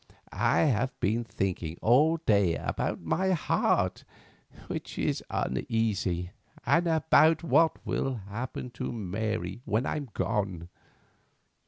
I have been thinking all day about my heart, which is uneasy, and about what will happen to Mary when I am gone.